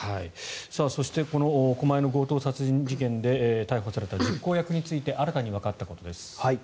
そしてこの狛江の強盗殺人事件で逮捕された実行役について新たにわかったということです。